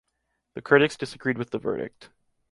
The critics disagreed with the verdict.